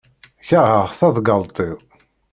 Keṛheɣ taḍeggalt-iw.